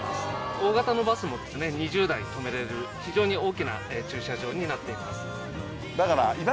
大型のバスも２０台とめれる非常に大きな駐車場になっています。